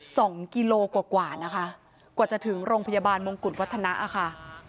สองกิโลกว่ากว่ากว่านะคะกว่าจะถึงโรงพยาบาลมงกุฎวัฒนะค่ะ